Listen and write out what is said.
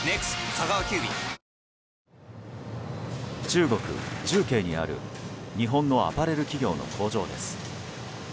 中国・重慶にある日本のアパレル企業の工場です。